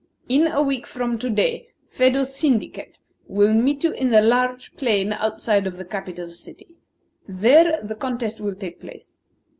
In a week from to day, Phedo's syndicate will meet you in the large plain outside of the capital city. There the contest will take place.